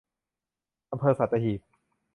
อำเภอสัตหีบ